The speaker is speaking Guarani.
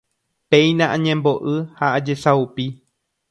Péina añembo'y ha ajesaupi